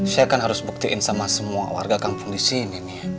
saya kan harus buktiin sama semua warga kampung di sini nih